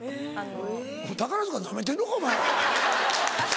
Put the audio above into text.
宝塚ナメてんのかお前。